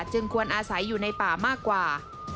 ควรอาศัยอยู่ในป่ามากกว่า